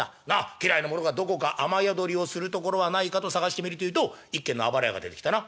家来の者がどこか雨宿りをするところはないかと探してみるというと一軒のあばら家が出てきたな」。